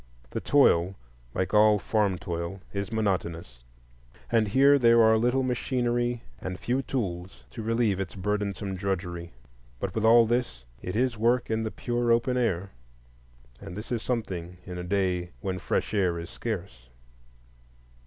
The toil, like all farm toil, is monotonous, and here there are little machinery and few tools to relieve its burdensome drudgery. But with all this, it is work in the pure open air, and this is something in a day when fresh air is scarce.